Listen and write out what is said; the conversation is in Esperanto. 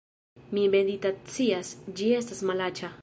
Mi meditacias, ĝi estas malaĉa